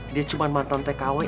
dia cuma mantan tkw